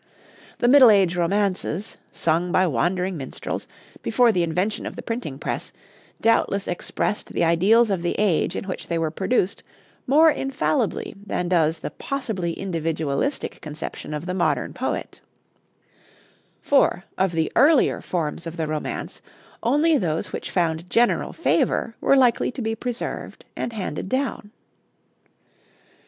The Middle Age romances, sung by wandering minstrels, before the invention of the printing press, doubtless expressed the ideals of the age in which they were produced more infallibly than does the possibly individualistic conception of the modern poet; for, of the earlier forms of the romance, only those which found general favor were likely to be preserved and handed down.